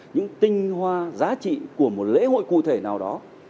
những tinh hoa giá trị của một lễ hội cụ thể nào đó